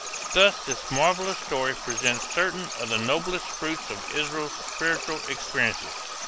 Thus this marvelous story presents certain of the noblest fruits of Israel's spiritual experiences.